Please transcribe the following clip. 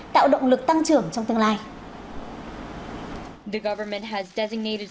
tạo động lực tăng trưởng trong tương lai